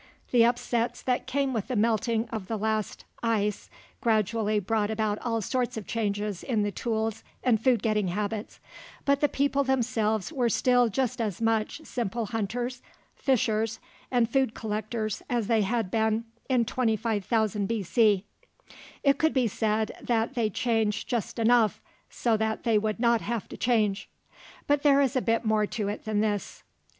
The upsets that came with the melting of the last ice gradually brought about all sorts of changes in the tools and food getting habits, but the people themselves were still just as much simple hunters, fishers, and food collectors as they had been in 25,000 B.C. It could be said that they changed just enough so that they would not have to change. But there is a bit more to it than this.